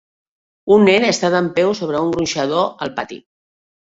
Un nen està dempeus sobre un gronxador al pati.